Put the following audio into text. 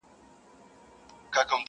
خو د خلکو درد بې جوابه او بې علاج پاتېږي،